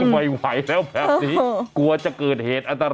ไม่ไหวแล้วแบบนี้กลัวจะเกิดเหตุอันตราย